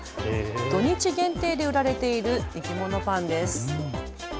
土日限定で売られているいきものパンです。